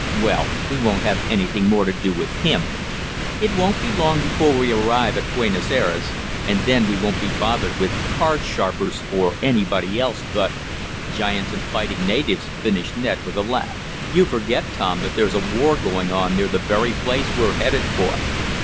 Well, we won't have anything more to do with him. It won't be long before we arrive at Buenos Ayres, and then we won't be bothered with card sharpers or anybody else but " "Giants and fighting natives," finished Ned, with a laugh. "You forget, Tom, that there's a war going on near the very place we're headed for."